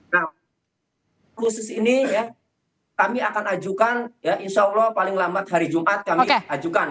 nah khusus ini ya kami akan ajukan ya insya allah paling lambat hari jumat kami ajukan